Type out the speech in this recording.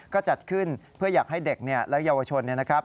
ก็จัดขึ้นเพื่ออยากให้เด็กและเยาวชนนะครับ